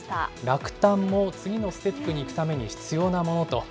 落胆も次のステップに行くために必要なものと。